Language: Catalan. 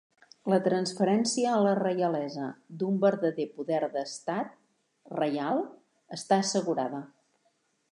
La transferència a la reialesa d'un verdader poder d'estat, reial, està assegurada.